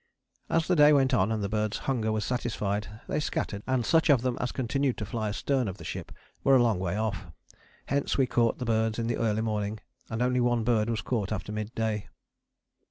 As the day went on and the birds' hunger was satisfied, they scattered, and such of them as continued to fly astern of the ship were a long way off. Hence we caught the birds in the early morning, and only one bird was caught after mid day.